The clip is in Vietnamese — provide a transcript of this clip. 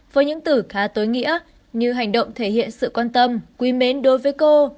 với những từ khá tối nghĩa như hành động thể hiện sự quan tâm quý mến đối với cô